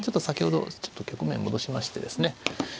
先ほどちょっと局面戻しましてですね。